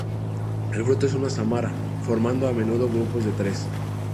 El fruto es una sámara, formando a menudo grupos de tres.